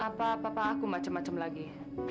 apa papa aku macem macem lagi